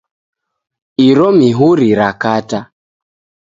Iro mihuri rakata